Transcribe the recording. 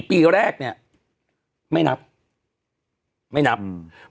ปีแรกเนี้ยไม่นับไม่นับอืม